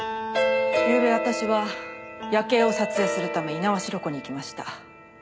ゆうべ私は夜景を撮影するため猪苗代湖に行きました。